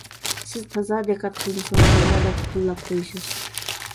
سىز تازا دىققەت قىلمىسىڭىز توغرا دەپ تاللاپ قويىسىز.